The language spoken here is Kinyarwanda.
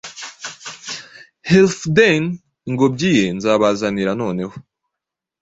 Healfdene ingobyi ye Nzabazaniranoneho